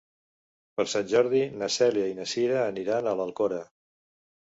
Per Sant Jordi na Cèlia i na Cira aniran a l'Alcora.